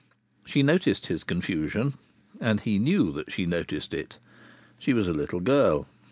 She noticed his confusion, and he knew that she noticed it. She was a little girl.